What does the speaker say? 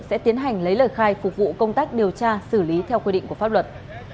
sẽ tiến hành lấy lời khai phục vụ công tác điều tra xử lý theo quy định của pháp luật